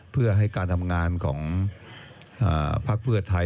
เพื่อให้การทำงานของพักเพื่อไทย